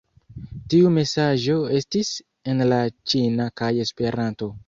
Tiu mesaĝo estis en la ĉina kaj Esperanto.